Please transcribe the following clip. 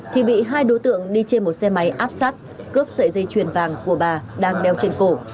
thì bị hai đối tượng đi trên một xe máy áp sát cướp sợi dây chuyền vàng của bà đang đeo trên cổ